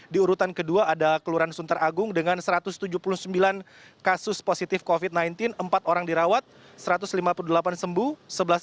di urutan kedua ada kelurahan sunter agung dengan satu ratus tujuh puluh sembilan kasus positif covid sembilan belas empat orang dirawat satu ratus lima puluh delapan sembuh